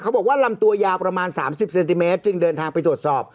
บอกว่าลำตัวยาวประมาณ๓๐เซนติเมตรจึงเดินทางไปตรวจสอบ